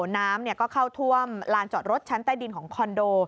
น้ำก็เข้าท่วมลานจอดรถชั้นใต้ดินของคอนโด